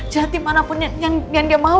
jahatin mana pun yang dia mau